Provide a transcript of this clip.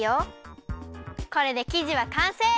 これできじはかんせい！